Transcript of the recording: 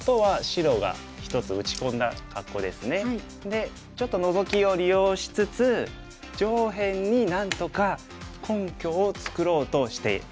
でちょっとノゾキを利用しつつ上辺になんとか根拠を作ろうとしております。